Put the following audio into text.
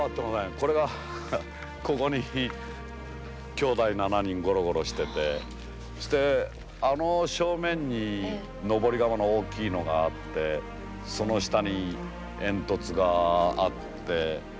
これがここにきょうだい７人ごろごろしててそしてあの正面に登り窯の大きいのがあってその下に煙突があって。